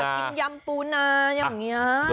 กินยำปูนาอย่างนี้